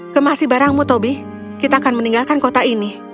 kemasi barangmu tobi kita akan meninggalkan kota ini